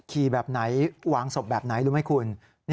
แบบไหนวางศพแบบไหนรู้ไหมคุณ